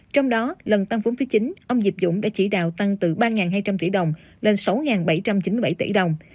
trong đó lần tăng vốn phía chính ông diệp dũng đã chỉ đạo tăng từ ba hai trăm linh tỷ đồng lên sáu bảy trăm chín mươi bảy tỷ đồng